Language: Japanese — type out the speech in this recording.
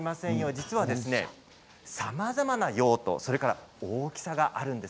実は、さまざまな用途そして大きさがあるんです。